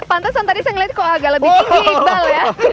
pantesan tadi saya melihat kok agak lebih tinggi iqbal ya